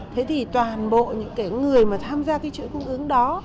thế thì toàn bộ những cái người mà tham gia cái chuỗi cung ứng đó